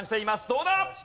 どうだ！？